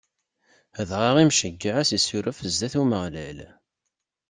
Dɣa Imceyyeɛ ad s-issuref zdat n Umeɣlal.